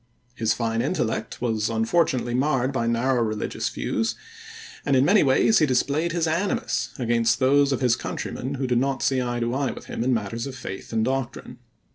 His fine intellect was unfortunately marred by narrow religious views, and in many ways he displayed his animus against those of his countrymen who did not see eye to eye with him in matters of faith and doctrine.